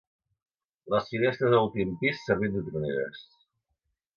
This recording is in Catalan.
Les finestres de l'últim pis servien de troneres.